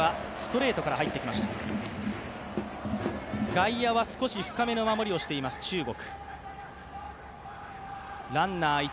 外野は少し深めの守りをしています、中国。